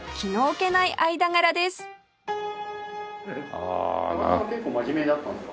高田さんは結構真面目だったんですか？